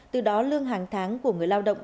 từ đó lương hàng tháng của người lao động